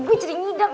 gue jadi ngidap nih